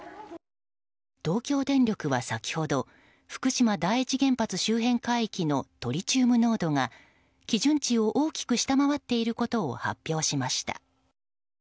東京電力は先ほど福島第一原発周辺海域のトリチウム濃度が基準値を大きく下回っていることを発表しました。